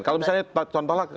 kalau misalnya contohnya